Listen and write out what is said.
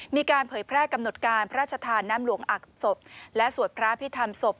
เผยแพร่กำหนดการพระราชทานน้ำหลวงอักศพและสวดพระพิธรรมศพ